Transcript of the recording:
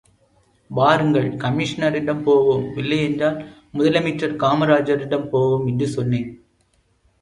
வாருங்கள் கமிஷனரிடம் போவோம், இல்லையென்றால் முதலமைச்சர் காமராஜரிடம் போவோம், என்று சென்னேன்.